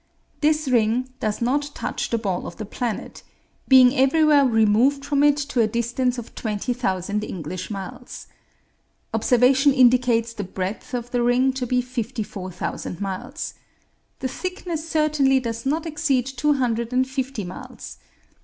This ring does not touch the ball of the planet, being everywhere removed from it to a distance of twenty thousand (English) miles. Observation indicates the breadth of the ring to be fifty four thousand miles. The thickness certainly does not exceed two hundred and fifty miles.